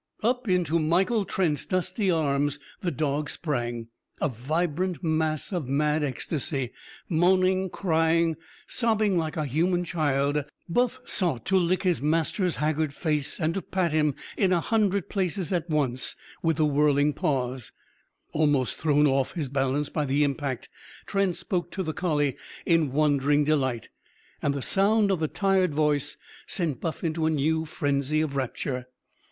Up into Michael Trent's dusty arms the dog sprang a vibrant mass of mad ecstasy. Moaning, crying, sobbing like a human child, Buff sought to lick his master's haggard face and to pat him in a hundred places at once with the whirling paws. Almost thrown off his balance by the impact, Trent spoke to the collie in wondering delight. And the sound of the tired voice sent Buff into a new frenzy of rapture.